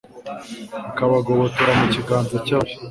akabagobotora mu kiganza cy’ababi